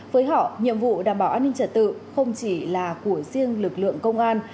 với họ nhiệm vụ đảm bảo an ninh trật tự không chỉ là của riêng lực lượng công an